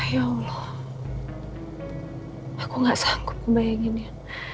ya allah aku gak sanggup membayanginnya